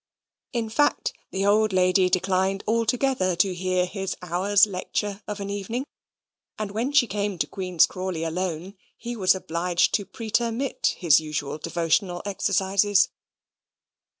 In fact, the old lady declined altogether to hear his hour's lecture of an evening; and when she came to Queen's Crawley alone, he was obliged to pretermit his usual devotional exercises.